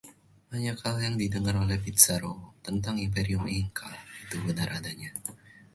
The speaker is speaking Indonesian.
Banyak hal yang didengar oleh Pizzaro tentang imperium Inca itu benar adanya.